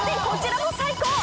こちらも最高。